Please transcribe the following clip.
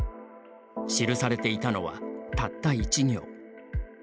記されていたのは、たった一行。